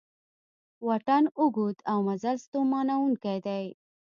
واټن اوږد او مزل ستومانوونکی دی